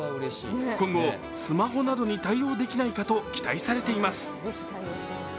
今後、スマホなどに対応できないかと期待されています。